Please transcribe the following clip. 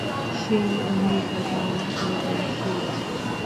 সেই অঙ্গীকার পালন করিতে আসিয়াছি।